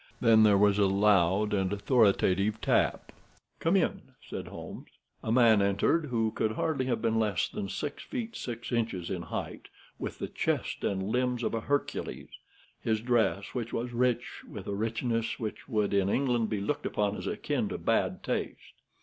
Then there was a loud and authoritative tap. "Come in!" said Holmes. A man entered who could hardly have been less than six feet six inches in height, with the chest and limbs of a Hercules. His dress was rich with a richness which would, in England, be looked upon as akin to bad taste.